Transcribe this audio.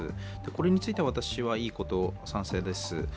これについて私はいいこと賛成です。